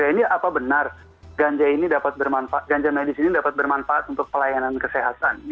ini apa benar ganja ini dapat bermanfaat ganja medis ini dapat bermanfaat untuk pelayanan kesehatan